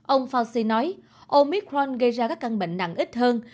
ông fauci nói omicron gây ra các căn bệnh nặng ít hơn